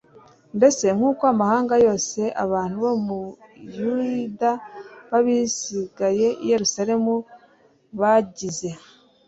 mbese nk'uko amahanga yose, abantu bo muri yuda n'abasigaye i yeruzalemu babigize